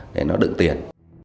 để nó đựng tiền